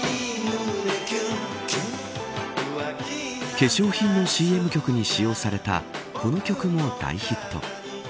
化粧品のＣＭ曲に使用されたこの曲も大ヒット。